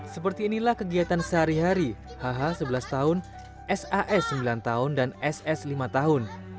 seperti inilah kegiatan sehari hari hh sebelas tahun sas sembilan tahun dan ss lima tahun